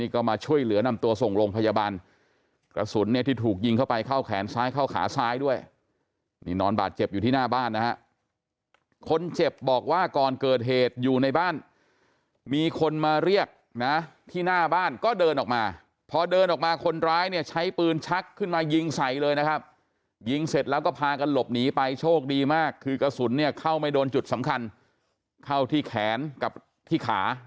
ก็มาช่วยเหลือนำตัวส่งโรงพยาบาลกระสุนเนี่ยที่ถูกยิงเข้าไปเข้าแขนซ้ายเข้าขาซ้ายด้วยนี่นอนบาดเจ็บอยู่ที่หน้าบ้านนะฮะคนเจ็บบอกว่าก่อนเกิดเหตุอยู่ในบ้านมีคนมาเรียกนะที่หน้าบ้านก็เดินออกมาพอเดินออกมาคนร้ายเนี่ยใช้ปืนชักขึ้นมายิงใส่เลยนะครับยิงเสร็จแล้วก็พากันหลบหนีไปโชคดีมากคือกระสุนเนี่ยเข้าไม่โดนจุดสำคัญเข้าที่แขนกับที่ขา